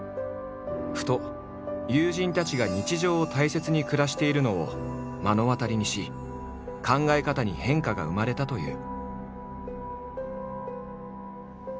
ふと友人たちが日常を大切に暮らしているのを目の当たりにし考え方に変化が生まれたという。